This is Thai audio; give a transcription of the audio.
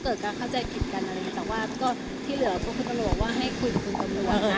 เพราะคุณประหลวงว่าให้คุยกับคุณประหลวง